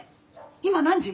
今何時！？